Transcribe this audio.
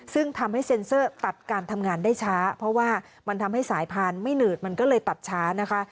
ซึ่งทำให้เซ็นเซอร์ตัดการทำงานได้ช้าเพราะว่ามันทำให้สายพันธุ์ไม่หนืดมันก็เลยตัดช้านะคะ